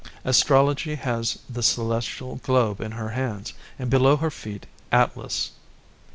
Astrology has the celestial globe in her hands, and below her feet, Atlas.